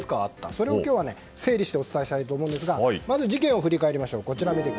それを今日は整理してお伝えしたいと思うんですがまず事件を振り返りましょう。